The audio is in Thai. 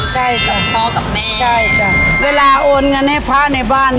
ใช่สองพ่อกับแม่ใช่จ้ะเวลาโอนเงินให้พระในบ้าน